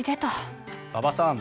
馬場さん